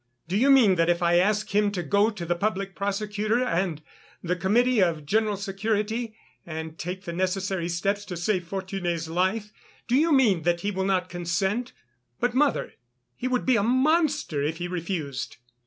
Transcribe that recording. Do you mean that if I ask him to go to the Public Prosecutor and the Committee of General Security and take the necessary steps to save Fortuné's life, do you mean that he will not consent?... But, mother, he would be a monster if he refused!"